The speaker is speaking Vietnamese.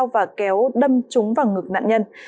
và kéo đâm trúng vào ngực nạn nhân